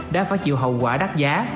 đã phải chịu hậu quả đắt giá